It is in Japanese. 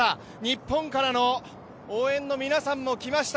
日本からの応援の皆さんも来ました。